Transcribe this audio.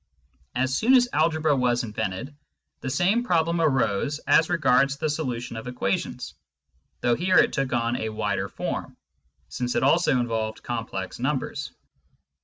As soon as algebra was invented, the same problem arose as regards the solution of equations, though here it took on a wider form, since it also involved complex numbers.